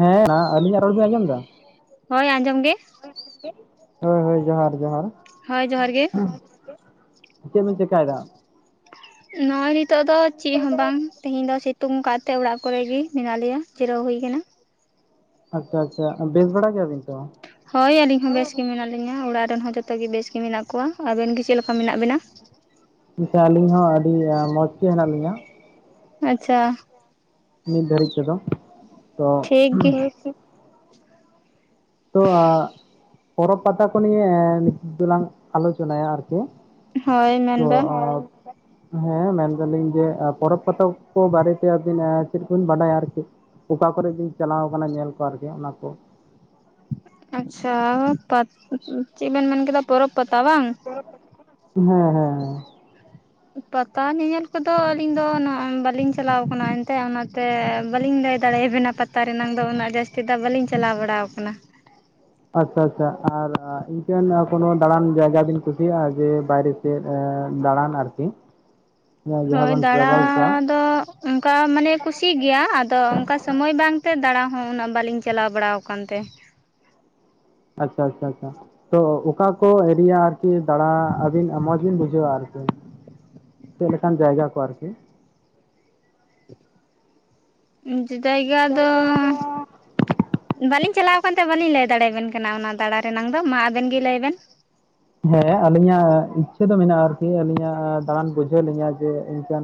ᱦᱮᱸ ᱟᱞᱤᱧᱟᱜ ᱨᱚᱲ ᱵᱤᱱ ᱟᱸᱡᱚᱢ ᱮᱫᱟ? ᱦᱳᱭ ᱟᱸᱡᱚᱢ ᱜᱮ᱾ ᱦᱳᱭ ᱦᱳᱭ ᱡᱚᱸᱦᱟᱨ ᱡᱚᱸᱦᱟᱨ᱾ ᱦᱳᱭ ᱡᱚᱦᱟᱸᱨ ᱜᱮ᱾ ᱪᱮᱫ ᱵᱤᱱ ᱪᱮᱠᱟᱭᱮᱫᱟ? ᱱᱚᱜᱼᱚᱭ ᱱᱤᱛᱚᱜ ᱫᱚ ᱪᱮᱫ ᱦᱚᱸ ᱵᱟᱝ ᱛᱤᱦᱤᱧ ᱫᱚ ᱥᱤ ᱛᱩᱝ ᱠᱟᱫ ᱛᱮ ᱚᱲᱟᱜ ᱠᱚᱨᱮ ᱜᱮ ᱢᱮᱱᱟᱜ ᱞᱮᱭᱟ ᱡᱤᱨᱟᱹᱣ ᱦᱩᱭ ᱠᱟᱱᱟ᱾ ᱟᱪᱪᱷᱟ ᱟᱪᱪᱷᱟ ᱵᱮᱥ ᱵᱟᱲᱟ ᱜᱮᱭᱟᱵᱤᱱ ᱛᱚ? ᱦᱳᱭ ᱟᱹᱞᱤᱧ ᱦᱚᱸ ᱵᱮᱥ ᱜᱮ ᱢᱮᱱᱟᱜ ᱞᱤᱧᱟᱹ, ᱚᱲᱟᱜ ᱨᱮᱱ ᱦᱚᱸ ᱡᱚᱛᱚ ᱜᱮ ᱵᱮᱥ ᱜᱮ ᱢᱮᱱᱟᱜ ᱠᱚᱣᱟ, ᱟᱵᱮᱱ ᱜᱮ ᱪᱮᱫ ᱞᱮᱠᱟ ᱢᱮᱱᱟᱜ ᱵᱤᱱᱟ? ᱟᱪᱪᱷᱟ ᱟᱹᱞᱤᱧ ᱦᱚᱸ ᱟᱹᱰᱤ ᱢᱚᱸᱡᱽ ᱜᱮ ᱦᱮᱱᱟᱜ ᱞᱤᱧᱟ᱾ ᱟᱪᱪᱷᱟ᱾ ᱱᱤᱫ ᱫᱷᱟᱹᱨᱤᱡ ᱛᱮᱫᱚ ᱛᱚᱼᱼ ᱴᱷᱤᱠ ᱜᱮ ᱛᱚ ᱯᱚᱨᱚᱵᱽ ᱯᱟᱛᱟ ᱠᱚ ᱱᱤᱭᱮ ᱱᱤᱛᱳᱜ ᱫᱚᱞᱟᱝ ᱟᱞᱳᱪᱚᱱᱟᱭᱟ ᱟᱨᱠᱤ᱾ ᱦᱳᱭ ᱛᱚ ᱢᱮᱱᱵᱮᱱ ᱟᱨᱼᱼ ᱦᱮᱸ ᱢᱮᱱ ᱫᱟᱞᱤᱧ ᱡᱮ ᱯᱚᱨᱚᱵᱽ ᱯᱟᱛᱟ ᱠᱚ ᱵᱟᱨᱮᱛᱮ ᱟᱹᱵᱤᱱ ᱟᱨ ᱪᱮᱫ ᱵᱤᱱ ᱵᱟᱰᱟᱭᱟ ᱟᱨᱠᱤ? ᱚᱠᱟ ᱠᱚᱨᱮ ᱵᱤᱱ ᱪᱟᱞᱟᱣ ᱠᱟᱱᱟ ᱧᱮᱞ ᱠᱚ ᱟᱨᱠᱤ ᱚᱱᱟ ᱠᱚ? ᱟᱪᱪᱷᱟ ᱯᱟᱛ ᱪᱮᱫ ᱵᱮᱱ ᱢᱮᱱ ᱠᱮᱫᱟ ᱯᱚᱨᱚᱵᱽ ᱯᱟᱛᱟ ᱵᱟᱝ? ᱦᱮᱸ ᱦᱮᱸ ᱦᱮᱸ ᱾ ᱯᱟᱛᱟ ᱧᱮᱧᱮᱞ ᱠᱚᱫᱚ ᱟᱹᱞᱤᱧ ᱫᱚ ᱩᱱᱚᱜ ᱵᱟᱞᱤᱧ ᱪᱟᱞᱟᱣ ᱠᱟᱱᱟ ᱮᱱᱛᱮᱜ ᱚᱱᱟ ᱛᱮ ᱵᱟᱞᱤᱧ ᱞᱟᱹᱭ ᱫᱟᱲᱮᱭᱟᱵᱤᱱᱟ ᱯᱟᱛᱟ ᱨᱮᱱᱟᱝ ᱫᱚ ᱩᱱᱟᱹᱜ ᱡᱟᱹᱥᱛᱤ ᱫᱚ ᱵᱟᱞᱤᱧ ᱪᱟᱞᱟᱣ ᱵᱟᱲᱟᱣ ᱟᱠᱟᱱᱟ᱾ ᱟᱪᱪᱷᱟ ᱟᱪᱪᱷᱟ ᱟᱨ ᱤᱱᱠᱟᱹ ᱠᱳᱱᱳ ᱫᱟᱬᱟᱱ ᱡᱟᱭᱜᱟ ᱵᱤᱱ ᱠᱩᱥᱤᱭᱟᱜᱼᱟ, ᱡᱮ ᱵᱟᱭᱨᱮᱼᱼ ᱥᱮᱫ ᱫᱟᱬᱟᱱ ᱟᱨᱠᱤ᱾ ᱡᱟᱦᱟᱸ ᱡᱟᱦᱟᱸ ᱦᱳᱭ ᱵᱚᱱ ᱫᱟᱬᱟ ᱴᱨᱟᱵᱷᱮᱞᱥᱟ ᱫᱚ ᱚᱱᱠᱟ ᱢᱟᱱᱮ ᱠᱩᱥᱤᱜ ᱜᱮᱭᱟ ᱟᱫᱚ ᱚᱱᱠᱟ ᱥᱚᱢᱚᱭ ᱵᱟᱝᱛᱮ ᱫᱟᱬᱟ ᱦᱚᱸ ᱩᱱᱟᱹᱜ ᱵᱟᱞᱤᱧ ᱪᱟᱞᱟᱣ ᱵᱟᱲᱟᱣ ᱠᱟᱱ ᱛᱮ᱾ ᱟᱪᱪᱷᱟ ᱟᱪᱪᱷᱟ ᱟᱪᱷᱟ᱾ ᱛᱚ ᱚᱠᱟ ᱠᱚ ᱮᱨᱤᱭᱟ ᱟᱨᱠᱤ ᱫᱟᱬᱟ ᱟᱹᱵᱤᱱ ᱢᱚᱸᱡᱽ ᱵᱤᱱ ᱵᱩᱡᱷᱟᱹᱣᱟ ᱟᱨᱠᱤ? ᱪᱮᱫ ᱞᱮᱠᱟᱱ ᱡᱟᱭᱜᱟ ᱠᱚ ᱟᱨᱠᱤ? ᱡᱟᱭᱜᱟ ᱫᱚᱼᱼ ᱵᱟᱞᱤᱧ ᱪᱟᱞᱟᱣ ᱠᱟᱱᱛᱮ ᱵᱟᱞᱤᱧ ᱞᱟᱹᱭ ᱫᱟᱲᱮᱭᱟᱵᱮᱱ ᱠᱟᱱᱟ ᱚᱱᱟ ᱫᱟᱲᱟ ᱨᱮᱱᱟᱝ ᱫᱚ, ᱢᱟ ᱟᱵᱮᱱ ᱜᱮ ᱞᱟᱹᱭᱵᱮᱱ᱾ ᱦᱮᱸ ᱟᱹᱞᱤᱧᱟᱜ ᱤᱪᱪᱷᱟᱹ ᱫᱚ ᱢᱮᱱᱟᱜᱼᱟ ᱟᱨᱠᱤ ᱟᱹᱞᱤᱧᱟᱜ ᱫᱟᱬᱟᱱ ᱵᱩᱡᱷᱟᱹᱣ ᱞᱤᱧᱟ ᱡᱮ ᱤᱱᱠᱟᱱᱼᱼ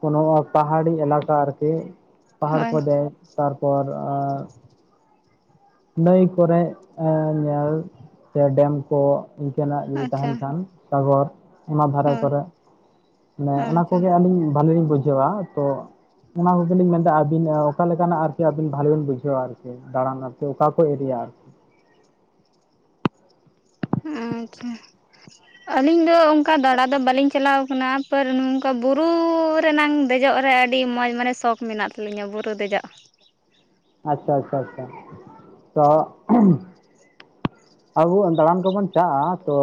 ᱠᱳᱱᱳ ᱯᱟᱦᱟᱲᱤ ᱮᱞᱟᱠᱟ ᱟᱨᱠᱤ ᱯᱟᱦᱟᱲ ᱦᱳᱭ ᱠᱚ ᱫᱮᱡ ᱛᱟᱨᱯᱚᱨ ᱟ ᱱᱟᱹᱭ ᱠᱚᱨᱮ ᱧᱮᱞ ᱥᱮ ᱰᱮᱢ ᱠᱚ ᱤᱱᱠᱟᱹᱱᱟᱜ ᱡᱩᱫᱤ ᱟᱪᱪᱷᱟ ᱛᱟᱦᱮᱱ ᱠᱷᱟᱱ᱾ ᱥᱟᱜᱚᱨ ᱚᱱᱟ ᱫᱷᱟᱨᱮ ᱦᱳᱭ ᱠᱚᱨᱮᱜ ᱢᱟᱱᱮ ᱚᱱᱟ ᱟᱪᱪᱷᱟ ᱠᱚᱜᱮ ᱟᱹᱞᱤᱧ ᱵᱟᱞᱤᱧ ᱵᱩᱡᱷᱟᱹᱣᱟ᱾ ᱛᱚ ᱚᱱᱟ ᱠᱚᱜᱮ ᱞᱤᱧ ᱢᱮᱱᱫᱟ, ᱟᱹᱵᱤᱱ ᱚᱠᱟ ᱞᱮᱠᱟᱱᱟᱜ ᱟᱨᱠᱤ ᱟᱹᱵᱤᱱ ᱵᱷᱟᱞᱮ ᱵᱮᱱ ᱵᱩᱡᱷᱟᱹᱣᱟ ᱟᱨᱠᱤ ᱫᱟᱬᱟᱱ? ᱥᱮ ᱚᱠᱟ ᱠᱚ ᱮᱨᱤᱭᱟ? ᱟᱪᱪᱷᱟ, ᱟᱹᱞᱤᱧ ᱫᱚ ᱚᱱᱠᱟ ᱫᱟᱬᱟ ᱫᱚ ᱵᱟᱞᱤᱧ ᱪᱟᱞᱟᱣ ᱚᱱᱟ ᱯᱟᱨ ᱱᱚᱝᱠᱟ ᱵᱩᱨᱩ ᱨᱮᱱᱟᱝ ᱫᱮᱡᱚᱜ ᱨᱮ ᱟᱹᱰᱤ ᱢᱚᱡᱽ ᱢᱟᱱᱮ ᱥᱚᱠᱷ ᱢᱮᱱᱟᱜ ᱛᱟᱞᱤᱧᱟ ᱵᱩᱨᱩ ᱫᱮᱡᱚᱜ᱾ ᱟᱪᱪᱷᱟ ᱟᱪᱪᱷᱟ ᱟᱪᱪᱷᱟ, ᱛᱚ ᱟᱵᱚ ᱫᱟᱬᱟᱱ ᱠᱚᱵᱚᱱ ᱪᱟᱜᱼᱟ ᱛᱚ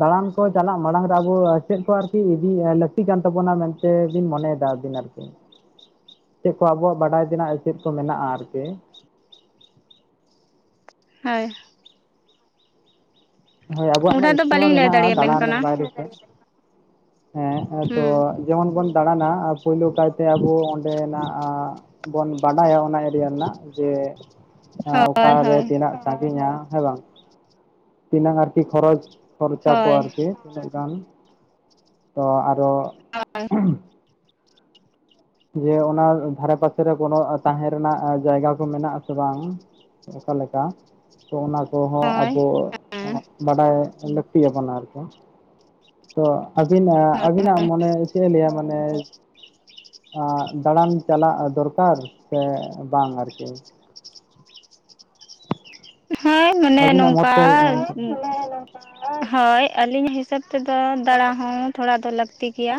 ᱫᱟᱬᱟᱱ ᱠᱚ ᱪᱟᱞᱟᱜ ᱢᱟᱲᱟᱝ ᱨᱮ ᱟᱵᱚ ᱪᱮᱫ ᱠᱚ ᱟᱨᱠᱤ ᱤᱫᱤ ᱞᱟᱹᱠᱛᱤ ᱠᱟᱱ ᱛᱟᱵᱚᱱᱟ ᱢᱮᱱ ᱛᱮ ᱵᱤᱱ ᱢᱚᱱᱮᱭᱫᱟ ᱟᱵᱤᱱ ᱟᱨᱠᱤ? ᱪᱮᱫ ᱠᱚ ᱟᱵᱚᱣᱟᱜ ᱵᱟᱰᱟᱭ ᱛᱮᱱᱟᱜ ᱪᱮᱫ ᱠᱚ ᱢᱮᱱᱟᱜᱼᱟ ᱟᱨᱠᱤ? ᱦᱳᱭ᱾ ᱦᱳᱭ ᱟᱵᱚᱣᱟᱜ ᱢᱟ ᱚᱱᱟ ᱫᱚ ᱤᱪᱪᱷᱟᱹ ᱢᱟ ᱵᱟᱹᱞᱤᱧ ᱞᱟᱹᱭ ᱢᱮᱱᱟᱜᱼᱟ ᱫᱟᱲᱮᱭᱟᱵᱮᱱ ᱠᱟᱱᱟ ᱫᱟᱬᱟᱱ [inaudible] ᱵᱟᱭᱨᱮ ᱥᱮᱫ᱾ ᱦᱮᱸ, ᱦᱩᱸ ᱦᱮᱸᱛᱚᱜ ᱡᱮᱢᱚᱱ ᱵᱚᱱ ᱫᱟᱬᱟᱱᱟ ᱯᱳᱭᱞᱳ ᱠᱟᱭᱛᱮ ᱟᱵᱚ ᱚᱸᱰᱮᱱᱟᱜ ᱵᱚᱱ ᱵᱟᱰᱟᱭᱟ ᱚᱱᱟ ᱮᱨᱤᱭᱟ ᱨᱮᱱᱟᱜ ᱡᱮ ᱦᱳᱭ ᱚᱠᱟᱨᱮ ᱦᱳᱭ ᱛᱤᱱᱟᱹᱜ ᱥᱟᱺᱜᱤᱧᱟ ᱦᱮᱸ ᱵᱟᱝ? ᱛᱤᱱᱟᱹᱝ ᱟᱨᱠᱤ ᱠᱷᱚᱨᱚᱪ ᱠᱷᱚᱨᱪᱟ ᱠᱚ ᱦᱳᱭ ᱟᱨᱠᱤ ᱛᱤᱱᱟᱹᱜ ᱜᱟᱱ? ᱛᱚ ᱟᱨᱚ [unintelligible] [unintelligible] ᱡᱮ ᱚᱱᱟ ᱫᱷᱟᱨᱮ ᱯᱟᱥᱮᱨᱮ ᱠᱳᱱᱳ ᱛᱟᱦᱮᱸ ᱨᱮᱱᱟᱜ ᱡᱟᱭᱜᱟ ᱠᱚ ᱢᱮᱱᱟᱜ ᱟᱥᱮ ᱵᱟᱝ? ᱚᱠᱟ ᱞᱮᱠᱟ? ᱛᱚ ᱚᱱᱟ ᱠᱚᱦᱚᱸ ᱦᱳᱭ ᱟᱵᱚ ᱵᱟᱰᱟᱭ ᱞᱟᱹᱠᱛᱤᱭᱟᱵᱚᱱᱟ ᱟᱨᱠᱤ ᱥᱮ ᱟᱹᱵᱤᱱᱟᱜ ᱟᱹᱵᱤᱱᱟᱜ ᱢᱚᱱᱮ ᱪᱮᱫ ᱮ ᱞᱟᱹᱭᱟ ᱢᱟᱱᱮ ᱟᱸ ᱫᱟᱬᱟᱱ ᱪᱟᱞᱟᱜ ᱫᱚᱨᱠᱟᱨ ᱥᱮ ᱵᱟᱝ ᱟᱨᱠᱤ? ᱦᱮᱸ ᱢᱟᱱᱮ ᱟᱹᱵᱤᱱᱟᱜ ᱢᱚᱛ ᱱᱚᱝᱠᱟ ᱛᱮ ᱟᱸ, ᱟᱨᱠᱤ ᱦᱳᱭ ᱟᱹᱞᱤᱧ ᱦᱤᱥᱟᱹᱵ ᱛᱮᱫᱚ ᱫᱟᱬᱟ ᱦᱚᱸ ᱛᱷᱚᱲᱟ ᱫᱚ ᱞᱟᱹᱠᱛᱤ ᱜᱮᱭᱟ᱾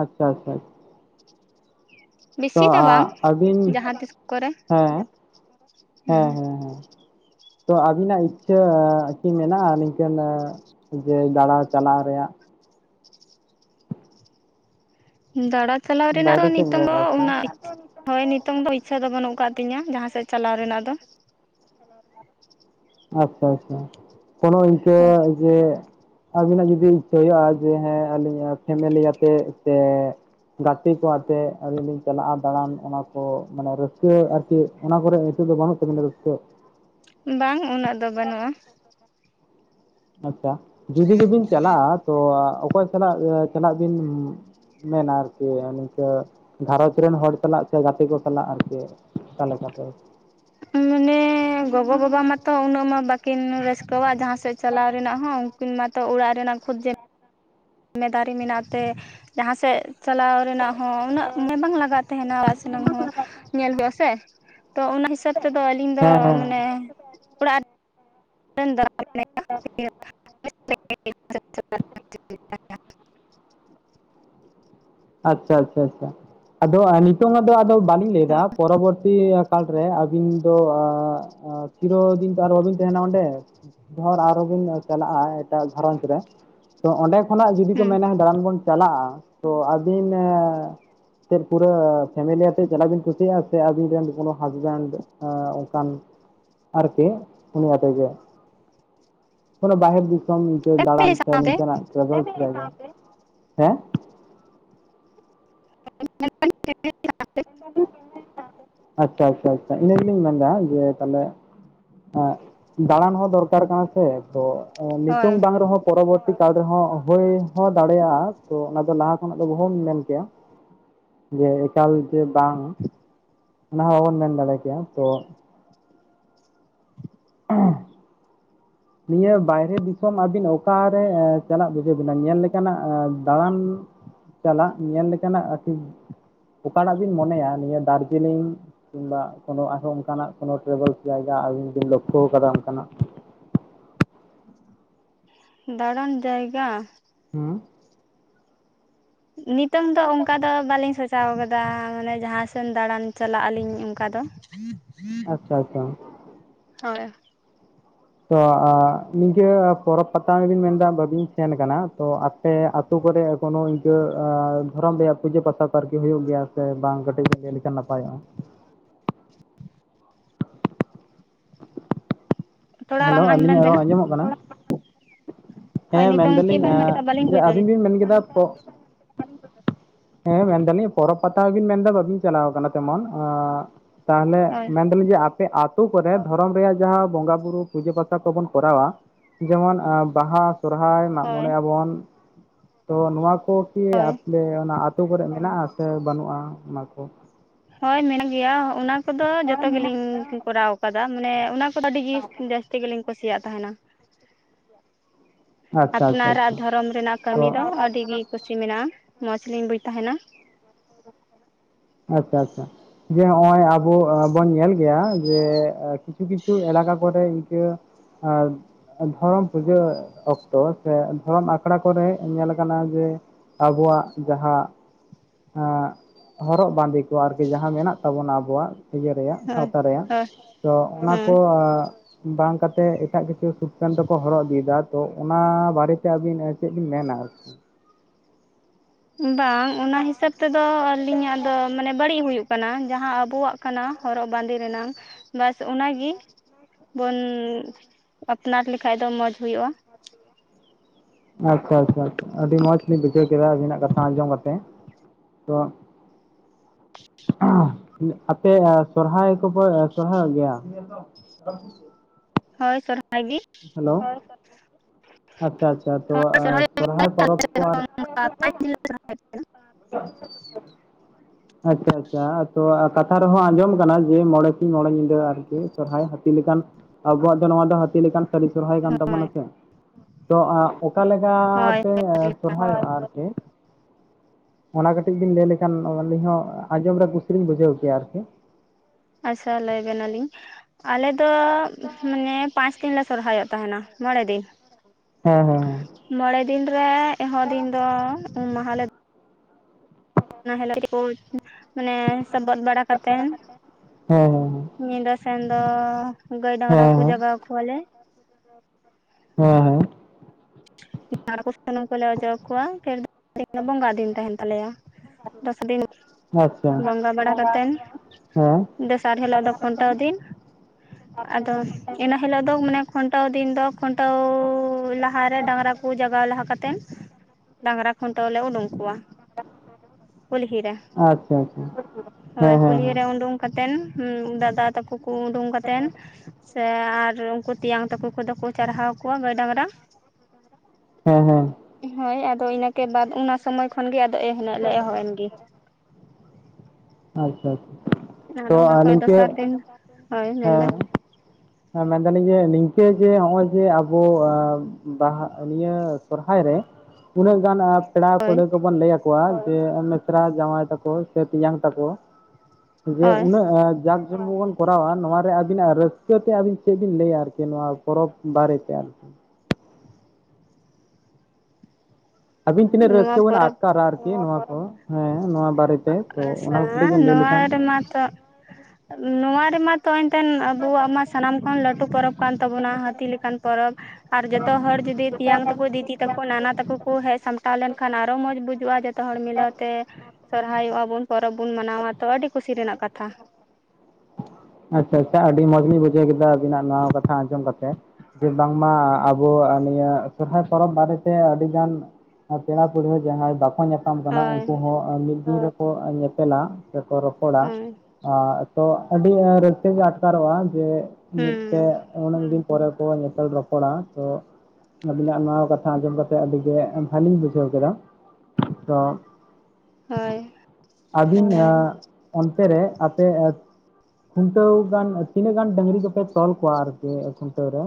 ᱟᱪᱪᱷᱟ ᱟᱪᱪᱷᱟ ᱾ ᱛᱚ ᱵᱮᱥᱤ ᱫᱚ ᱵᱟᱝ ᱟᱹᱵᱤᱱ, ᱡᱟᱦᱟᱸ ᱛᱤᱥ ᱠᱚᱨᱮ ᱦᱮᱸ, ᱦᱮᱸ ᱦᱮᱸ ᱦᱮᱸ᱾ ᱛᱚ ᱟᱹᱵᱤᱱᱟᱜ ᱤᱪᱪᱷᱟᱹ ᱠᱤ ᱢᱮᱱᱟᱜᱼᱟ ᱱᱤᱝᱠᱟᱹᱱ, ᱡᱮ ᱫᱟᱬᱟ ᱪᱟᱞᱟᱜ ᱨᱮᱭᱟᱜ? ᱫᱟᱬᱟ ᱪᱟᱞᱟᱣ ᱨᱮᱱᱟᱜ ᱫᱚ ᱵᱟᱭᱨᱮ ᱥᱮᱫ ᱱᱤᱛᱚᱝ ᱧᱮᱞ ᱫᱚ ᱟᱨᱠᱤ ᱚᱱᱟ ᱦᱳᱭ ᱱᱤᱛᱚᱝ ᱫᱚ ᱤᱪᱪᱷᱟ ᱫᱚ ᱵᱟᱹᱱᱩᱜ ᱠᱟᱫ ᱛᱤᱧᱟᱹ ᱡᱟᱦᱟᱸ ᱥᱮᱫ ᱪᱟᱞᱟᱣ ᱨᱮᱱᱟᱜ ᱫᱚ᱾ ᱟᱪᱪᱷᱟ ᱟᱪᱪᱷᱟ᱾ ᱠᱳᱱᱳ ᱤᱱᱠᱟᱹ ᱡᱮ ᱟᱹᱵᱤᱱᱟᱜ ᱡᱩᱫᱤ ᱤᱪᱪᱷᱟᱹ ᱦᱩᱭᱩᱜᱼᱟ ᱡᱮ ᱦᱮᱸ ᱟᱹᱞᱤᱧᱟᱜ ᱯᱷᱮᱢᱮᱞᱤ ᱟᱛᱮ ᱥᱮ ᱜᱟᱛᱮ ᱠᱚ ᱟᱛᱮ ᱟᱹᱞᱤᱧ ᱞᱤᱧ ᱪᱟᱞᱟᱜᱼᱟ ᱫᱟᱬᱟᱱ ᱚᱱᱟ ᱠᱚ ᱢᱟᱱᱮ ᱨᱟᱹᱥᱠᱟᱹ ᱟᱨ ᱠᱤ ᱚᱱᱟ ᱠᱚᱨᱮ ᱧᱤᱛᱩᱢ ᱫᱚ ᱵᱟᱹᱱᱩᱜ ᱛᱟᱵᱤᱱ ᱱᱟ ᱥᱮ ᱪᱮᱫ? ᱵᱟᱝ ᱩᱱᱟᱹᱜ ᱫᱚ ᱵᱟᱹᱱᱩᱜᱼᱟ᱾ ᱟᱪᱪᱷᱟ, ᱡᱩᱫᱤ ᱜᱮᱵᱤᱱ ᱪᱟᱞᱟᱜᱼᱟ ᱛᱚ ᱚᱠᱚᱭ ᱥᱟᱞᱟᱜ ᱪᱟᱞᱟᱜ ᱵᱤᱱ ᱢᱮᱱᱟ ᱟᱨᱠᱤ ᱱᱤᱝᱠᱟᱹ ᱜᱷᱟᱨᱚᱸᱡᱽ ᱨᱮᱱ ᱦᱚᱲ ᱥᱟᱞᱟᱜ ᱥᱮ ᱜᱟᱛᱮ ᱠᱚ ᱥᱟᱞᱟᱜ ᱟᱨᱠᱤ ᱚᱱᱠᱟ ᱞᱮᱠᱟᱛᱮ᱾ ᱢᱟᱱᱮ ᱜᱚᱜᱚ, ᱵᱟᱵᱟ ᱢᱟᱛᱚ ᱩᱱᱟᱹᱜ ᱢᱟ ᱵᱟᱠᱤᱱ ᱨᱟᱹᱥᱠᱟᱹᱣᱟ ᱡᱟᱦᱟᱸ ᱥᱮᱫ ᱪᱟᱞᱟᱣ ᱨᱮᱱᱟᱜ ᱦᱚᱸ ᱩᱱᱠᱤᱱ ᱢᱟᱛᱚ ᱚᱲᱟᱜ ᱨᱮᱱᱟᱜ ᱠᱷᱩᱫᱽ ᱡᱤ ᱢᱮᱫᱟᱨᱤ ᱢᱮᱱᱟᱜ ᱛᱮ ᱡᱟᱦᱟᱸ ᱥᱮᱫ ᱪᱟᱞᱟᱣ ᱨᱮᱱᱟᱜ ᱦᱚᱸ ᱩᱱᱟᱹᱜ ᱢᱚᱱᱮ ᱵᱟᱝ ᱞᱟᱜᱟᱜ ᱛᱟᱦᱮᱸᱱᱟ ᱚᱲᱟᱜ ᱥᱮᱱᱟᱜ ᱦᱚᱸ ᱧᱮᱞ ᱦᱳᱭᱳᱜ-ᱟ ᱥᱮ, ᱛᱚ ᱚᱱᱟ ᱦᱤᱥᱟᱹᱵ ᱛᱮᱫᱚ ᱟᱞᱤᱧ ᱫᱚ ᱦᱮᱸ ᱦᱮᱸ ᱢᱟᱱᱮ ᱥᱮᱱ [unintelligible] ᱟᱪᱪᱷᱟ ᱟᱪᱪᱷᱟ ᱟᱪᱪᱷᱟ, ᱟᱫᱚ ᱱᱤᱛᱚᱝ ᱢᱟᱛᱚ ᱟᱫᱚ ᱵᱟᱞᱤᱧ ᱞᱟᱹᱭ ᱫᱟ ᱯᱚᱨᱚᱵᱚᱨᱛᱤ ᱠᱟᱞ ᱨᱮ ᱟᱹᱵᱤᱱ ᱫᱚ ᱟᱸᱻ ᱪᱤᱨᱚᱫᱤᱱ ᱛᱚ ᱟᱨ ᱵᱟᱵᱤᱱ ᱛᱟᱦᱮᱸᱱᱟ ᱚᱸᱰᱮ, ᱫᱷᱚᱨ ᱟᱨᱚ ᱵᱤᱱ ᱪᱟᱞᱟᱜᱼᱟ ᱮᱴᱟᱜ ᱜᱷᱟᱨᱚᱸᱡᱽ ᱨᱮ, ᱛᱚ ᱚᱸᱰᱮ ᱠᱷᱚᱱᱟᱜ ᱡᱩᱫᱤ ᱠᱚ ᱢᱮᱱᱟ ᱦᱩᱸ ᱫᱟᱬᱟᱱ ᱵᱚᱱ ᱪᱟᱞᱟᱜᱼᱟ ᱛᱚ ᱟᱹᱵᱤᱱ ᱮᱸᱻ ᱪᱮᱫ ᱯᱩᱨᱟᱹ ᱯᱷᱮᱢᱮᱞᱤ ᱟᱛᱮ ᱪᱟᱞᱟᱣ ᱵᱤᱱ ᱠᱩᱥᱤᱭᱟᱜᱼᱟ, ᱥᱮ ᱟᱵᱤᱱ ᱨᱮᱱ ᱠᱳᱱᱳ ᱦᱟᱥᱵᱮᱱᱰ ᱮᱸ ᱚᱱᱠᱟᱱ ᱟᱨᱠᱤ ᱩᱱᱤ ᱟᱛᱮᱜ ᱜᱮ᱾ ᱠᱳᱱᱳ ᱵᱟᱦᱮᱨ ᱫᱤᱥᱚᱢ ᱛᱮ ᱫᱟᱬᱟᱱ ᱥᱮᱱ ᱥᱟᱶᱛᱮ ᱱᱤᱱᱠᱟᱱᱟᱜ, [inaudible] [unintelligible] ᱦᱮᱸ? [unintelligible] [unintelligible] ᱟᱪᱪᱷᱟ ᱟᱪᱪᱷᱟ ᱟᱪᱪᱷᱟ ᱤᱱᱟᱹ ᱜᱮᱞᱤᱧ ᱢᱮᱱᱫᱟ ᱦᱮᱸ ᱡᱮ ᱛᱟᱦᱞᱮ ᱫᱟᱬᱟᱱ ᱦᱚᱸ ᱫᱚᱨᱠᱟᱨ ᱠᱟᱱᱟ ᱥᱮ ᱛᱚ ᱦᱳᱭ ᱱᱤᱛᱚᱝ ᱵᱟᱝ ᱨᱮᱦᱚᱸ ᱯᱚᱨᱚᱵᱚᱨᱛᱤ ᱠᱟᱞ ᱨᱮᱦᱚᱸ ᱦᱳᱭ ᱦᱚᱸ ᱫᱟᱲᱮᱭᱟᱜᱼᱟ ᱛᱚ ᱚᱱᱟ ᱫᱚ ᱞᱟᱦᱟ ᱠᱷᱚᱱᱟᱜ ᱫᱚ ᱵᱟᱹᱵᱚᱱ ᱢᱮᱱ ᱠᱮᱭᱟ, ᱡᱮ ᱮᱠᱟᱞ ᱡᱮ ᱵᱟᱝ ᱚᱱᱟ ᱦᱚᱸ ᱵᱟᱵᱚᱱ ᱢᱮᱱ ᱫᱟᱲᱮ ᱠᱮᱭᱟ ᱛᱚ, [unintelligible] ᱱᱤᱭᱟᱹ ᱵᱟᱭᱨᱮ ᱫᱤᱥᱚᱢ ᱟᱹᱵᱤᱱ ᱚᱠᱟᱨᱮ ᱪᱟᱞᱟᱜ ᱵᱩᱡᱷᱟᱹᱣ ᱵᱤᱱᱟ ᱧᱮᱞ ᱞᱮᱠᱟᱱᱟᱜ ᱫᱟᱬᱟᱱ, ᱪᱟᱞᱟᱜ ᱧᱮᱞ ᱞᱮᱠᱟᱱᱟᱜ ᱟᱨᱠᱤ ᱚᱠᱟᱴᱟᱜ ᱵᱤᱱ ᱢᱚᱱᱮᱭᱟ ᱱᱤᱭᱟᱹ ᱫᱟᱨᱡᱤᱞᱤᱝ ᱠᱤᱝᱵᱟ ᱠᱳᱱᱚ ᱟᱨᱦᱚᱸ ᱚᱱᱠᱟᱱᱟᱜ ᱠᱳᱱᱳ ᱴᱨᱟᱵᱷᱮᱞ ᱡᱟᱭᱜᱟ ᱟᱹᱵᱤᱱ ᱵᱤᱱ ᱞᱚᱠᱠᱷᱚ ᱟᱠᱟᱫᱟ ᱚᱱᱠᱟᱱᱟᱜ? ᱫᱟᱬᱟᱱ ᱡᱟᱭᱜᱟ ᱦᱮᱸ ᱱᱤᱛᱚᱝ ᱫᱚ ᱚᱱᱠᱟ ᱫᱚ ᱵᱟᱞᱤᱧ ᱥᱟᱪᱟᱣ ᱟᱠᱟᱫᱟ ᱢᱟᱱᱮ ᱡᱟᱦᱟᱸᱥᱱ ᱫᱟᱬᱟᱱ ᱪᱟᱞᱟᱜ ᱟᱹᱞᱤᱧ ᱚᱱᱠᱟ ᱫᱚ᱾ ᱟᱪᱪᱷᱟ ᱟᱪᱪᱷᱟ ᱦᱳᱭ ᱛᱚ ᱱᱤᱝᱠᱟᱹ ᱯᱚᱨᱚᱵᱽ ᱯᱟᱛᱟ ᱨᱮᱵᱤᱱ ᱢᱮᱱᱫᱟ ᱵᱟᱹᱵᱤᱱ ᱥᱮᱱ ᱠᱟᱱᱟ ᱛᱚ ᱥᱮ ᱟᱛᱳ ᱠᱚᱨᱮ ᱠᱳᱱᱳ ᱤᱭᱟᱹ ᱫᱷᱚᱨᱚᱢ ᱨᱮᱭᱟᱜ ᱯᱩᱡᱟᱹ ᱯᱟᱥᱟ ᱠᱚ ᱟᱨᱠᱤ ᱦᱩᱭᱩᱜ ᱜᱮᱭᱟ ᱥᱮ ᱵᱟᱝ ᱠᱟᱹᱴᱤᱡ ᱮᱢ ᱞᱟᱹᱭ ᱞᱮᱠᱷᱟᱱ ᱱᱟᱯᱟᱭᱚᱜ-ᱟ? ᱛᱷᱚᱲᱟ ᱦᱮᱞᱳ ᱵᱟᱝ ᱟᱸᱡᱚᱢ ᱞᱮᱱ ᱟᱹᱞᱤᱧᱟᱜ ᱛᱟᱦᱮᱱᱟ ᱨᱚᱲ ᱟᱸᱡᱚᱢᱚᱜ ᱠᱟᱱᱟ? ᱦᱳᱭ ᱦᱮᱸ ᱱᱤᱛᱚᱝ ᱪᱮᱫ ᱢᱮᱱᱫᱟᱞᱤᱧ ᱵᱮᱱ ᱢᱮᱱ ᱠᱮᱫᱟ ᱵᱟᱹᱞᱤᱧ ᱡᱮ ᱵᱩᱡᱽ ᱟᱵᱤᱱ ᱫᱟᱲᱮᱭᱟᱜᱼᱟ ᱵᱤᱱ ᱢᱮᱱ ᱠᱮᱫᱟ ᱛᱚ ᱦᱮᱸ ᱢᱮᱱᱫᱟᱞᱤᱧ ᱯᱚᱨᱚᱵᱽ ᱯᱟᱛᱟ ᱵᱤᱱ ᱢᱮᱱ ᱮᱫᱟ ᱵᱟᱹᱵᱤᱱ ᱪᱟᱞᱟᱣ ᱠᱟᱱᱟ ᱛᱮᱢᱚᱱ ᱛᱟᱦᱚᱞᱮ ᱦᱳᱭ ᱢᱮᱱᱫᱟᱞᱤᱧ ᱡᱮ, ᱟᱯᱮ ᱟᱛᱳ ᱠᱚᱨᱮ ᱫᱷᱚᱨᱚᱢ ᱨᱮᱭᱟᱜ ᱡᱟᱸᱦᱟ ᱵᱚᱸᱜᱟ ᱵᱩᱨᱩ ᱯᱩᱡᱟᱹ ᱯᱟᱥᱟ ᱠᱚᱵᱚᱱ ᱠᱚᱨᱟᱣᱟ ᱡᱮᱢᱚᱱ ᱵᱟᱦᱟ, ᱥᱚᱦᱦᱟᱭ, ᱢᱟᱜ ᱦᱳᱭ ᱢᱚᱸᱬᱮ ᱟᱵᱚᱱ, ᱛᱚ ᱱᱚᱣᱟ ᱠᱚ ᱠᱤ ᱦᱳᱭ ᱟᱯᱞᱮ ᱚᱱᱟ ᱟᱹᱛᱩ ᱠᱚᱨᱮ ᱢᱮᱱᱟᱜ ᱥᱮ ᱵᱟᱹᱱᱩᱜ-ᱟ ᱚᱱᱟ ᱠᱚ? ᱦᱳᱭ ᱢᱮᱱᱟᱜ ᱜᱮᱭᱟ ᱚᱱᱟ ᱠᱚᱫᱚ ᱡᱚᱛᱚ ᱜᱮᱞᱤᱧ ᱠᱚᱨᱟᱣ ᱟᱠᱟᱫᱟ ᱢᱟᱱᱮ ᱚᱱᱟ ᱠᱚᱫᱚ ᱟᱹᱰᱤ ᱜᱮ ᱡᱟᱹᱥᱛᱤ ᱡᱟᱥᱛᱤ ᱜᱮᱞᱤᱧ ᱠᱩᱥᱤᱭᱟᱜ ᱛᱟᱸᱦᱮᱱᱟ ᱾ ᱟᱪᱪᱷᱟ ᱟᱪᱪᱷᱟ ᱟᱯᱱᱟᱨᱟᱜ ᱟᱪᱪᱷᱟ ᱫᱷᱚᱨᱚᱢ ᱨᱮᱱᱟᱜ ᱛᱚ ᱠᱟᱹᱢᱤ ᱫᱚ ᱟᱹᱰᱤ ᱜᱮ ᱠᱩᱥᱤ ᱢᱮᱱᱟᱜ-ᱟ᱾ ᱢᱚᱡᱽ ᱞᱤᱧ ᱵᱩᱡ ᱛᱟᱸᱦᱮᱱᱟ ᱾ ᱟᱪᱪᱷᱟ ᱟᱪᱪᱷᱟ, ᱡᱮ ᱱᱚᱜ-ᱚᱭ ᱟᱵᱚ ᱵᱚᱱ ᱧᱮᱞ ᱜᱮᱭᱟ ᱡᱮ ᱠᱤᱪᱷᱩ ᱠᱤᱪᱷᱩ ᱮᱞᱟᱠᱟ ᱠᱚᱨᱮ ᱤᱱᱠᱟᱹ ᱟᱨ ᱫᱷᱚᱨᱚᱢ ᱯᱩᱡᱟᱹ ᱚᱠᱛᱚ ᱥᱮ ᱫᱷᱚᱨᱚᱢ ᱟᱠᱷᱲᱟ ᱠᱚᱨᱮ ᱧᱮᱞ ᱟᱠᱟᱱᱟ ᱡᱮ ᱟᱵᱚᱣᱟᱜ ᱡᱟᱸᱦᱟ ᱦᱚᱨᱚᱜ ᱵᱟᱸᱫᱮ ᱠᱚ ᱟᱨᱠᱤ ᱡᱟᱸᱦᱟ ᱢᱮᱱᱟᱜ ᱛᱟᱵᱚᱱᱟ ᱟᱵᱚᱣᱟᱜ, ᱤᱭᱟᱹ ᱨᱮᱭᱟᱜ ᱦᱳᱭ ᱥᱟᱶᱛᱟ ᱨᱮᱭᱟᱜ ᱦᱳᱭ ᱛᱚ ᱚᱱᱟ ᱦᱳᱭ ᱠᱚ ᱵᱟᱝ ᱠᱟᱛᱮ ᱮᱴᱟᱜ ᱠᱤᱪᱷᱩ ᱥᱩᱴ ᱯᱮᱱᱴ ᱫᱚᱠᱚ ᱦᱚᱨᱚᱜ ᱤᱫᱤᱭᱮᱫᱟ᱾ ᱛᱚ ᱚᱱᱟ ᱵᱟᱨᱮᱛᱮ ᱟᱹᱵᱤᱱ ᱪᱮᱫ ᱵᱤᱱ ᱢᱮᱱᱟ ᱟᱨᱠᱤ? ᱵᱟᱝ ᱚᱱᱟ ᱦᱤᱥᱟᱹᱵ ᱛᱮ ᱛᱚ ᱟᱹᱞᱤᱧᱟᱜ ᱫᱚ ᱢᱟᱱᱮ ᱵᱟᱹᱲᱤᱡ ᱦᱩᱭᱩᱜ ᱠᱟᱱᱟ᱾ ᱡᱟᱸᱦᱟ ᱟᱵᱚᱣᱟᱜ ᱠᱟᱱᱟ ᱦᱚᱨᱚᱜ ᱵᱟᱸᱫᱮ ᱨᱮᱱᱟᱝ ᱵᱟᱥ ᱚᱱᱟᱜᱤ ᱵᱚᱱ ᱟᱯᱱᱟᱨ ᱞᱮᱠᱷᱟᱱᱡ ᱫᱚ ᱢᱚᱸᱪ ᱦᱩᱭᱩᱜ-ᱟ᱾ ᱟᱪᱪᱷᱟ ᱟᱪᱪᱷᱟ, ᱟᱹᱰᱤ ᱢᱚᱸᱡᱽ ᱞᱤᱧ ᱵᱩᱡᱷᱟᱹᱣ ᱠᱮᱫᱟ ᱟᱹᱵᱤ ᱱᱟᱜ ᱠᱟᱛᱷᱟ ᱟᱸᱡᱚᱢ ᱠᱟᱛᱮ, ᱛᱚ ᱟᱯᱮ ᱥᱚᱨᱦᱟᱭ ᱠᱚᱯᱮ ᱥᱚᱦᱚᱨᱟᱭᱚᱜ ᱜᱮᱭᱟ? ᱦᱳᱭ ᱥᱚᱨᱦᱟᱭ ᱜᱮ ᱦᱮᱞᱳ ᱟᱪᱪᱷᱟ ᱟᱪᱪᱷᱟ, ᱛᱚ ᱥᱚᱨᱦᱟᱭ ᱯᱚᱨᱚᱵᱽ ᱠᱚ ᱟᱨ [unintelligible] ᱟᱪᱪᱷᱟ ᱟᱪᱪᱷᱟ, ᱛᱚ ᱠᱟᱛᱷᱟ ᱨᱮᱸᱦᱚ ᱟᱸᱡᱚᱢ ᱠᱟᱱᱟ ᱡᱮ ᱢᱚᱸᱬᱮ ᱥᱤᱧ ᱢᱚᱸᱬᱮ ᱧᱤᱫᱟᱹ ᱟᱨᱠᱤ ᱥᱚᱨᱦᱟᱭ ᱦᱟᱹᱛᱤ ᱞᱮᱠᱟᱱ ᱟᱵᱚᱣᱟᱜ ᱫᱚ ᱱᱚᱣᱟ ᱫᱚ ᱦᱟᱹᱛᱤ ᱞᱮᱠᱟᱱ ᱥᱟᱹᱨᱤ ᱥᱚᱨᱚᱦᱟᱭ ᱠᱟᱱ ᱦᱳᱭ ᱛᱟᱸᱵᱚᱱᱟ ᱥᱮ᱾ ᱛᱚ ᱚᱠᱟᱞᱮᱠᱟ ᱦᱳᱭ ᱯᱮ ᱥᱚᱨᱚᱦᱟᱭᱚᱜ-ᱟ ᱟᱨᱠᱤ ᱚᱱᱟ ᱠᱟᱹᱴᱤᱡ ᱵᱤᱱ ᱞᱟᱹᱭ ᱞᱮᱠᱷᱟᱱ ᱟᱹᱞᱤᱧ ᱦᱚᱸ ᱟᱸᱡᱚᱢ ᱨᱮ ᱠᱩᱥᱤ ᱞᱤᱧ ᱵᱩᱡᱷᱟᱹᱣ ᱠᱮᱭᱟ ᱟᱨᱠᱤ? ᱟᱪᱪᱷᱟ ᱞᱟᱹᱭ ᱵᱮᱱᱟᱞᱤᱧ, ᱟᱞᱮ ᱫᱚ ᱢᱟᱱᱮ ᱯᱟᱸᱪ ᱫᱤᱱ ᱞᱮ ᱥᱚᱨᱦᱟᱭᱚᱜ ᱛᱟᱸᱦᱮᱱᱟ ᱢᱚᱸᱬᱮ ᱫᱤᱱ᱾ [unintelligible] ᱢᱚᱸᱬᱮ ᱫᱤᱱ ᱨᱮ ᱮᱦᱚ ᱫᱤᱱ ᱫᱚ ᱩᱢ ᱢᱟᱦᱟᱞᱮ ᱚᱱᱟ ᱦᱤᱞᱳᱜ ᱠᱚ, ᱢᱟᱱᱮ ᱥᱚᱵᱚᱫ ᱵᱟᱲᱟ ᱠᱟᱛᱮᱱ ᱦᱚᱸ, ᱦᱚᱸ-ᱦᱚᱸ ᱾ ᱧᱤᱫᱟᱹ ᱥᱮᱱ ᱫᱚ ᱜᱟᱹᱭ ᱰᱟᱝᱨᱟ ᱦᱮᱸ ᱠᱚ ᱦᱮᱸ ᱡᱟᱜᱟᱣ ᱠᱚᱣᱟᱞᱮ [unintelligible] ᱦᱮᱸ-ᱦᱮᱸ᱾ ᱰᱟᱝᱨᱟ ᱠᱚ ᱥᱩᱱᱩᱢ ᱠᱚᱞᱮ ᱚᱡᱚᱜ ᱟᱠᱚᱣᱟ ᱫᱚᱥᱟᱨ ᱫᱤᱱ ᱫᱚ ᱵᱚᱸᱜᱟ ᱫᱤᱱ ᱛᱟᱸᱦᱮᱱ ᱛᱟᱞᱮᱭᱟ᱾ ᱫᱚᱥᱨ ᱫᱤᱱ ᱟᱪᱪᱷᱟ ᱵᱚᱸᱜᱟ ᱵᱟᱲᱟ ᱠᱟᱛᱮᱱ ᱦᱮᱸ ᱫᱚᱥᱟᱨ ᱦᱤᱞᱳᱜ ᱫᱚ ᱠᱷᱩᱱᱴᱟᱹᱣ ᱫᱤᱱ [unintelligible] ᱟᱫᱚ ᱤᱱᱟᱹ ᱦᱤᱞᱳᱜ ᱫᱚ ᱢᱟᱱᱮ ᱠᱷᱩᱱᱴᱟᱹᱣ ᱫᱤᱱ ᱫᱚ ᱠᱷᱩᱱᱴᱟᱹᱣ ᱞᱟ ᱞᱟᱦᱟᱨᱮ ᱰᱟᱝᱨᱟ ᱠᱚ ᱡᱟᱜᱟᱣ ᱞᱟᱦᱟ ᱠᱟᱛᱮᱱ, ᱰᱟᱝᱨᱟ ᱠᱷᱩᱱᱴᱟᱹᱣ ᱞᱮ ᱩᱰᱩᱝ ᱠᱚᱣᱟ᱾ ᱠᱩᱞᱦᱤ ᱨᱮ᱾ ᱟᱪᱷᱟ-ᱟᱪᱷᱟ ᱦᱮᱸ, ᱦᱳᱭ ᱠᱩᱞᱦᱤ ᱦᱮᱸ-ᱦᱮᱸ᱾ ᱨᱮ ᱩᱰᱩᱝ ᱠᱟᱛᱮᱱ ᱫᱟᱫᱟ ᱛᱟᱠᱚ ᱠᱚ ᱩᱰᱩᱝ ᱠᱟᱛᱮᱱ ᱥᱮ ᱟᱨ ᱩᱱᱠᱩ ᱛᱮᱭᱟᱝ ᱛᱟᱠᱚ ᱠᱚᱫᱚ ᱠᱚ ᱪᱟᱨᱦᱟᱣ ᱠᱚᱣᱟ ᱜᱟᱹᱭ ᱰᱟᱝᱨᱟ ᱦᱮᱸ-ᱦᱮᱸ᱾ ᱦᱳᱭ ᱟᱫᱚ ᱤᱱᱟᱹᱠᱮ ᱵᱟᱫ ᱚᱱᱟ ᱥᱚᱢᱚᱭ ᱠᱷᱚᱱᱜᱮ ᱟᱫᱚ ᱮᱱᱮ ᱞᱮ ᱮᱦᱚᱵ ᱮᱱ ᱜᱮ᱾ ᱟᱪᱷᱟ-ᱟᱪᱷᱟ ᱾ ᱟᱨ ᱚᱱᱟ ᱠᱷᱳᱭ ᱫᱚᱥᱟᱨ ᱫᱤᱱ ᱦᱳᱭ ᱢᱮᱱᱵᱮᱱ? ᱦᱚᱸ ᱢᱮᱱ ᱮᱫᱟᱞᱤᱧ ᱡᱮ ᱱᱤᱝᱠᱟᱹ ᱜᱮ ᱱᱚᱜᱼᱚᱭ ᱡᱮ ᱟᱵᱚ ᱵᱟᱦᱟ ᱱᱤᱭᱟᱹ ᱥᱚᱨᱦᱟᱭ ᱨᱮ ᱩᱱᱟᱹᱜ ᱜᱟᱱ ᱯᱮᱲᱟ ᱦᱳᱭ ᱯᱟᱹᱲᱦᱟᱹ ᱠᱚᱵᱚᱱ ᱞᱟᱹᱭ ᱟᱠᱚᱣᱟ ᱡᱮ ᱢᱤᱥᱨᱟ ᱡᱟᱶᱟᱭ ᱛᱟᱠᱚ ᱥᱮ ᱛᱤᱧᱟᱝ ᱛᱟᱠᱚ ᱡᱮ ᱦᱳᱭ ᱩᱱᱟᱹ ᱡᱟᱠ ᱠᱚᱨᱟᱣᱟ ᱱᱚᱣᱟ ᱨᱮ ᱟᱹᱵᱤᱱᱟᱜ ᱨᱟᱹᱥᱠᱟᱹ ᱛᱮ ᱟᱹᱵᱤᱱ ᱪᱮᱫ ᱵᱤᱱ ᱞᱟᱹᱭᱟ ᱟᱨᱠᱤ ᱱᱚᱣᱟ ᱯᱚᱨᱚᱵᱽ ᱵᱟᱨᱮᱛᱮ ᱟᱨᱠᱤ ᱟᱹᱵᱤᱱ ᱛᱤᱱᱟᱹᱜ ᱱᱚᱣᱟ ᱨᱟᱹᱥᱠᱟᱹ ᱵᱤᱱ ᱯᱚᱨᱚᱵᱽ ᱟᱴᱠᱟᱨᱟ ᱟᱨᱠᱤ ᱱᱚᱣᱟ ᱠᱚ? ᱦᱮᱸ ᱱᱚᱣᱟ ᱵᱟᱨᱮᱛᱮ ᱛᱚ ᱚᱱᱟ ᱠᱚ ᱠᱟᱹᱴᱤᱡ ᱵᱮᱱ ᱞᱟᱹᱭ ᱞᱮᱠᱷᱟᱱ? ᱚᱱᱟᱛᱚ ᱱᱚᱣᱟ ᱨᱮᱢᱟ ᱛᱚ ᱮᱱᱛᱮᱱ ᱟᱵᱚᱣᱟᱜ ᱢᱟ ᱥᱟᱱᱟᱢ ᱠᱷᱚᱱ ᱞᱟᱹᱴᱩ ᱯᱚᱨᱚᱵᱽ ᱠᱟᱱ ᱛᱟᱵᱚᱱᱟ ᱦᱟᱹᱛᱤ ᱞᱮᱠᱟᱱ ᱯᱚᱨᱚᱵᱽ ᱟᱨ ᱡᱚᱛᱚ ᱦᱚᱲ ᱡᱩᱫᱤ ᱛᱮᱭᱟᱝ ᱛᱮᱠᱚ ᱫᱤᱫᱤ ᱛᱟᱠᱚ ᱱᱟᱱᱟ ᱛᱟᱠᱚ ᱠᱚ ᱦᱮᱡ ᱥᱟᱢᱴᱟᱣ ᱞᱮᱱᱠᱷᱟᱱ ᱟᱨᱚ ᱢᱚᱸᱡᱽ ᱵᱩᱡᱩᱜᱼᱟ ᱡᱚᱛᱚ ᱦᱚᱲ ᱢᱤᱞᱟᱹ ᱛᱮ ᱥᱚᱨᱦᱟᱭᱚᱜᱼᱟᱵᱚᱱ ᱯᱚᱨᱚᱵᱽ ᱵᱚᱱ ᱢᱟᱱᱟᱣᱟ ᱛᱚ ᱟᱹᱰᱤ ᱠᱩᱥᱤ ᱨᱮᱱᱟᱜ ᱠᱟᱛᱷᱟ᱾ ᱟᱪᱷᱟ-ᱟᱪᱷᱟ ᱟᱹᱰᱤ ᱢᱚᱸᱡᱽᱞᱤᱧ ᱵᱩᱡᱷᱟᱹᱣ ᱠᱮᱫᱟ ᱟᱵᱤᱱᱟᱜ ᱱᱚᱣᱟ ᱠᱟᱛᱷᱟ ᱟᱸᱡᱚᱢ ᱠᱟᱛᱮ᱾ ᱡᱮ ᱵᱟᱝᱢᱟ, ᱟᱵᱚ ᱱᱤᱭᱟᱹ ᱥᱚᱨᱦᱟᱭ ᱯᱚᱨᱚᱵᱽ ᱵᱟᱨᱮᱛᱮ ᱟᱹᱰᱤᱜᱟᱱ ᱟᱨ ᱯᱮᱲᱟ ᱯᱟᱹᱲᱦᱟᱹ ᱡᱟᱦᱟᱸᱭ ᱵᱟᱠᱚ ᱧᱟᱯᱟᱢ ᱠᱟᱱᱟ ᱦᱳᱭ ᱩᱱᱠᱩ ᱦᱚᱸ ᱢᱤᱫ ᱫᱤᱱ ᱨᱮᱠᱚ ᱧᱮᱯᱮᱞᱟ ᱨᱮᱠᱚ ᱨᱚᱯᱚᱲᱟ, ᱦᱳᱭ ᱛᱚ ᱟᱹᱰᱤ ᱨᱟᱹᱥᱠᱟᱹ ᱜᱮ ᱟᱴᱠᱟᱨᱚᱜᱼᱟ ᱡᱮ ᱦᱩᱸ ᱢᱤᱫᱛᱮ ᱩᱱᱟᱹᱜ ᱫᱤᱱ ᱯᱚᱨᱮ ᱠᱚ ᱧᱮᱯᱮᱞ ᱨᱚᱯᱚᱲᱟ ᱛᱚ ᱟᱹᱵᱤᱱᱟᱜ ᱱᱚᱣᱟ ᱠᱟᱛᱷᱟ ᱟᱸᱡᱚᱢ ᱠᱟᱛᱮᱜ ᱟᱹᱰᱤᱜᱮ ᱵᱷᱟ. ᱞᱤᱧ ᱵᱩᱡᱷᱟᱹᱣ ᱠᱮᱫᱟ ᱾ ᱛᱚ, ᱦᱳᱭ᱾ ᱟᱹᱵᱤᱱᱟᱜ, ᱚᱱᱛᱮ ᱨᱮ ᱟᱯᱮ ᱠᱷᱩᱱᱴᱟᱹᱣ ᱜᱟᱱ ᱛᱤᱱᱟᱹᱜ ᱜᱟᱱ ᱰᱟᱹᱝᱨᱤ ᱠᱚᱯᱮ ᱛᱚᱞ ᱠᱚᱣᱟ ᱟᱨᱠᱤ ᱠᱷᱩᱱᱴᱟᱹᱣ ᱨᱮ?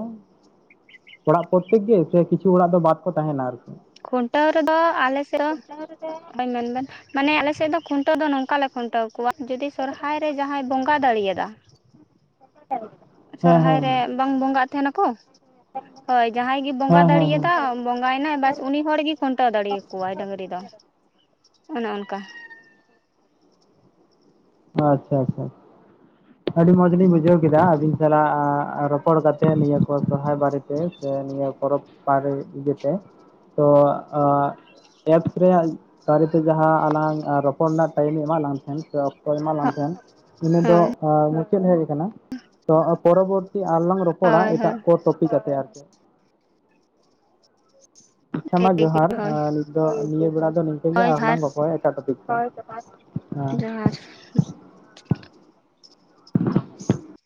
ᱚᱲᱟᱜ ᱯᱨᱚᱛᱮᱠ ᱜᱮ ᱥᱮ ᱠᱤᱪᱷᱩ ᱚᱲᱟᱜ ᱫᱚ ᱵᱟᱫ ᱠᱚ ᱛᱟᱦᱮᱸᱱᱟ ᱟᱨᱠᱤ? ᱠᱷᱩᱱᱴᱟᱹᱣ ᱨᱮᱫᱚ ᱟᱞᱮᱥᱮᱫ ᱢᱮᱱᱵᱮᱱ ᱢᱟᱱᱮ ᱟᱞᱮᱥᱮᱫ ᱫᱚ ᱠᱷᱩᱱᱴᱟᱹᱣ ᱫᱚ ᱱᱚᱝᱠᱟ ᱞᱮ ᱠᱷᱩᱱᱴᱟᱹᱣ ᱴᱟ. ᱣ ᱠᱚᱣᱟ, ᱡᱩᱫᱤ ᱥᱚᱨᱦᱟᱭ ᱨᱮ ᱡᱟᱦᱟᱸᱭ ᱵᱚᱸᱜᱟ ᱫᱟᱲᱮᱭᱟᱫᱟ [inaudible] ᱦᱮᱸ ᱥᱚᱨᱦᱟᱭ ᱦᱮᱸ ᱨᱮ ᱵᱟᱝ ᱵᱚᱸᱜᱟᱜ ᱛᱟᱦᱮᱸᱱᱟᱠᱚ? ᱦᱳᱭ ᱡᱟᱦᱟᱸᱭ ᱜᱮ ᱵᱚᱸᱜᱟ ᱦᱮᱸ ᱦᱮᱸ ᱦᱮᱸ ᱦᱮᱸ ᱫᱟᱲᱮᱭᱟᱫᱟ ᱵᱚᱸᱜᱟᱭᱮᱱᱟᱭ ᱵᱟ. ᱥ ᱩᱱᱤ ᱦᱚᱲᱜᱮ ᱠᱷᱩᱱᱴᱟᱹᱣ ᱫᱟᱲᱮᱭᱟᱠᱚᱣᱟᱭ ᱰᱟᱹᱝᱨᱤ ᱫᱚ ᱚᱱᱮ ᱚᱱᱠᱟ ᱾ ᱟᱪᱷᱟ-ᱟᱪᱷᱟ ᱾ ᱟᱹᱰᱤ ᱢᱚᱸᱡᱽ ᱞᱤᱧ ᱵᱩᱡᱷᱟᱹᱣ ᱠᱮᱫᱟ ᱟᱹᱵᱤᱱ ᱥᱟᱞᱟᱜ ᱨᱚᱯᱚᱲ ᱠᱟᱛᱮ ᱱᱤᱭᱟᱹ ᱠᱚ ᱥᱚᱨᱦᱟᱭ ᱵᱟᱨᱮᱛᱮ ᱥᱮ ᱱᱤᱭᱟᱹ ᱯᱚᱨᱚᱵᱽ ᱵᱟᱨᱮ ᱤᱭᱟᱹ ᱛᱮ, ᱛᱚ ᱮᱸᱜ ᱮᱯᱥ ᱨᱮᱭᱟᱜ ᱫᱟᱨᱮ ᱛᱮ ᱡᱟᱦᱟᱸ ᱟᱞᱟᱝ ᱨᱚᱯᱚᱲ ᱨᱮᱱᱟᱜ ᱴᱟᱭᱤᱢᱮ ᱮᱢᱟ ᱞᱟᱝ ᱛᱟᱦᱮᱸᱱ ᱥᱮ ᱚᱠᱛᱚ ᱮᱢᱟᱫ ᱞᱟᱝ ᱛᱟᱦᱮᱸᱱ ᱤᱱᱟᱹ ᱫᱚ ᱦᱳᱭ ᱟᱸ ᱢᱩᱪᱟᱹᱫ ᱦᱮᱡ ᱟᱠᱟᱱᱟ ᱛᱚ ᱯᱚᱨᱚᱵᱚᱨᱛᱤ ᱟᱨᱞᱟᱝ ᱯᱚᱲᱟ ᱦᱳᱭ ᱮᱴᱟᱜ ᱦᱳᱭ ᱠᱚ ᱴᱚᱯᱤᱠ ᱟᱛᱮ ᱟᱨ ᱪᱮᱫ ᱾ ᱟᱪᱪᱷᱟ ᱢᱟ ᱴᱷᱤᱠ ᱡᱚᱸᱦᱟᱨ, ᱜᱮᱭᱟ ᱦᱳᱭ [unintelligible] ᱫᱚ ᱱᱤᱭᱟᱹ ᱵᱮᱲᱟ ᱫᱚ ᱱᱤᱝᱠᱟᱹ ᱜᱮ ᱦᱳᱭ ᱟᱨᱦᱚᱹ ᱡᱚᱦᱟᱨ ᱞᱟᱝ ᱜᱚ [unintelligible] ᱮᱴᱟᱜ ᱴᱚᱯᱤᱠ [unintelligible] ᱾ ᱡᱚᱸᱦᱟᱨ ᱾ [inaudible]